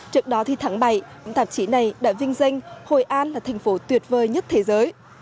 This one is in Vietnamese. trước đó tháng bảy tạp chí này đã vinh danh hội an là thành phố tuyệt vời nhất thế giới